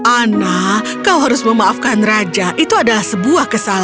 ana kau harus memaafkan raja itu adalah sebuah kesalahan